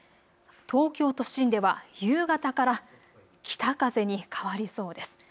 東京都心では夕方から北風に変わりそうです。